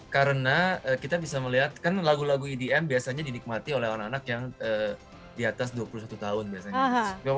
karena kita bisa melihat kan lagu lagu edm biasanya dinikmati oleh anak anak yang di atas dua puluh satu tahun biasanya